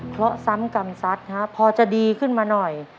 เพราะซ้ำกรรมสัตว์พอจะดีขึ้นมาหน่อย